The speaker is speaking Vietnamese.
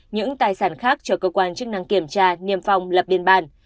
những tài sản khác cho cơ quan chức năng kiểm tra niêm phong lập biên bản